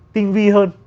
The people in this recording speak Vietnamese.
tinh vi hơn